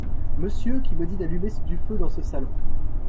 Monsieur qui me dit d’allumer du feu dans ce salon.